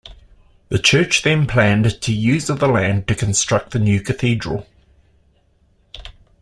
The Church then planned to use of the land to construct the new cathedral.